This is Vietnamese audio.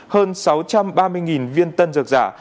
hơn sáu trăm ba mươi viên tân dược giả